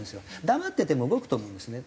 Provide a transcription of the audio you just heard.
黙ってても動くと思うんですね。